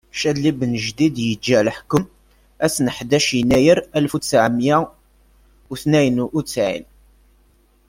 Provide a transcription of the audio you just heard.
Cadli Benǧdid yeǧǧa leḥkum ass n ḥdac yennayer alef utseɛ meyya utnayen utesɛin.